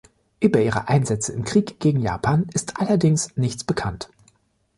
Über ihre Einsätze im Krieg gegen Japan ist allerdings nichts bekannt.